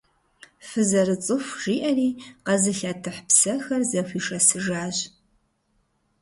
Фызэрыцӏыху, — жиӏэри къэзылъэтыхь псэхэр зэхуишэсыжащ.